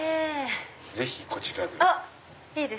ぜひこちらで。